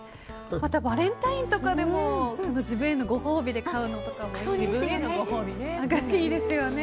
またバレンタインとかでも自分へのご褒美で買うのとかもいいですよね。